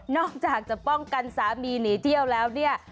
อกจากจะป้องกันสามีหนีเที่ยวแล้วเนี่ย